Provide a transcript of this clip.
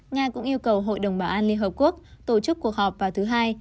nga cũng yêu cầu hội đồng bảo an liên hợp quốc tổ chức cuộc họp vào thứ hai